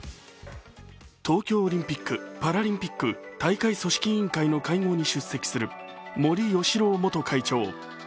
東京オリンピック・パラリンピック大会組織委員会の会合に出席する森喜朗元会長。